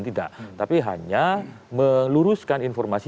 tidak tapi hanya meluruskan informasi